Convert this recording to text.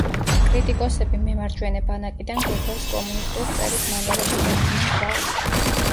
კრიტიკოსები მემარჯვენე ბანაკიდან გებელსს „კომუნისტურ“ წერის მანერაში დებდნენ ბრალს.